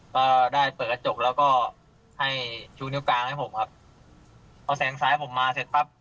ก็ได้เปิดกระจกแล้วก็ให้ชูนิ้วกลางให้ผมครับพอแสงซ้ายผมมาเสร็จปั๊บ